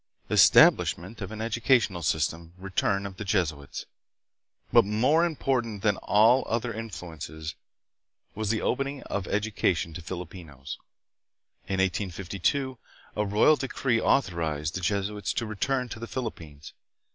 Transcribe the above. Establishment of an Educational System. Return of the Jesuits. But more important than all other influ ences was the opening of education to Filipinos. In 1852 a royal decree authorized the Jesuits to return to the Philippines.